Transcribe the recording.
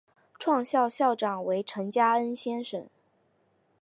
创校校长为陈加恩先生。